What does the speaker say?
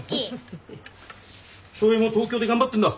翔平も東京で頑張ってんだ。